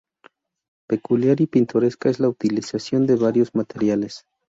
Peculiar y pintoresca es la utilización de varios materiales.